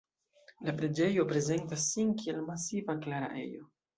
La preĝejo prezentas sin kiel masiva kaj klara ejo.